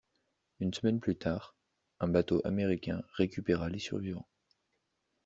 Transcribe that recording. Une semaine plus tard, un bateau américain récupéra les survivants.